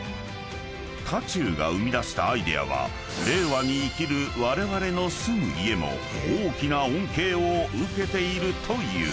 ［多仲が生み出したアイデアは令和に生きるわれわれの住む家も大きな恩恵を受けているという］